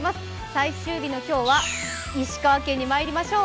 最終日の今日は石川県にまいりましょう。